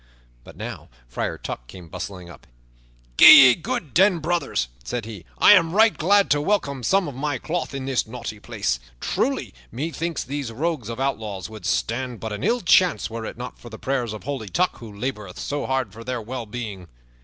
But now Friar Tuck came bustling up. "Gi' ye good den, brothers," said he. "I am right glad to welcome some of my cloth in this naughty place. Truly, methinks these rogues of outlaws would stand but an ill chance were it not for the prayers of Holy Tuck, who laboreth so hard for their well being."